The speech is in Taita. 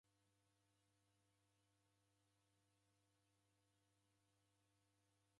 W'akatili w'azerwa w'eko ichenicho kifumbu.